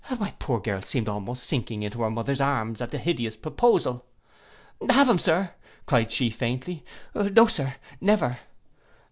'—My poor girl seemed almost sinking into her mother's arms at the hideous proposal.—'Have him, Sir!' cried she faintly. 'No, Sir, never.